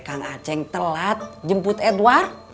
kang aceng telat jemput edward